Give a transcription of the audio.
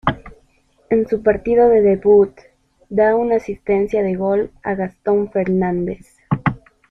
En su partido de debut, da una asistencia de gol a Gastón Fernández.